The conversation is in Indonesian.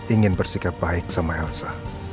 ingin bersikap baik sama elsa